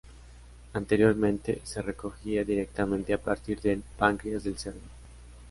Anteriormente se recogía directamente a partir del páncreas del cerdo.